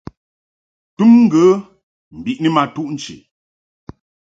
I tum ŋgə mbiʼni ma tuʼ nchi.